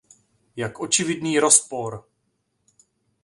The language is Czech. Jak očividný rozpor!